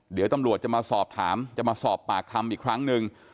เดี๋ยวตำรวจจะมาสอบถามจะมาสอบปากคำอีกครั้งหนึ่ง